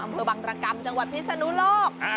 อำเภอบังรกรรมจังหวัดพิศนุโลก